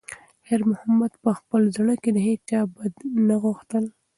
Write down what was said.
خیر محمد په خپل زړه کې د هیچا بد نه غوښتل.